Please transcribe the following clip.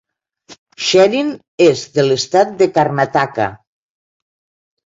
Sherin és de l'estat de Karnataka.